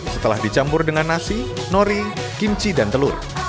setelah dicampur dengan nasi nori kimchi dan telur